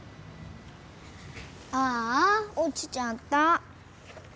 ああおちちゃった。